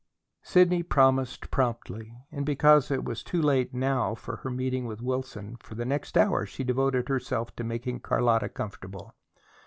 Sidney promised promptly; and, because it was too late now for her meeting with Wilson, for the next hour she devoted herself to making Carlotta comfortable.